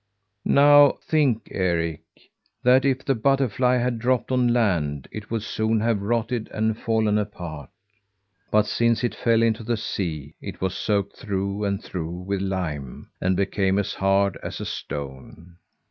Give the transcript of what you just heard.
"Now I think, Eric, that if the butterfly had dropped on land, it would soon have rotted and fallen apart. But since it fell into the sea, it was soaked through and through with lime, and became as hard as a stone.